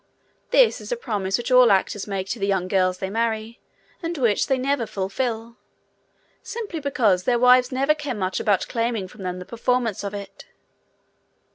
This is a promise which all actors make to the young girls they marry, and which they never fulfil, simply because their wives never care much about claiming from them the performance of it.